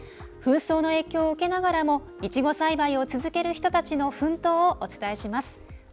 紛争の影響を受けながらもイチゴ栽培を続ける人たちの奮闘をお伝えします。